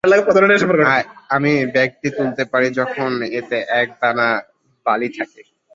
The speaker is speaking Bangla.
আমি ব্যাগটি তুলতে পারি যখন এতে এক দানা বালি থাকে।